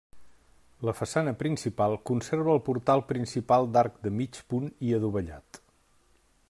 La façana principal conserva el portal principal d'arc de mig punt i adovellat.